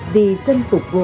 vì dân phục vụ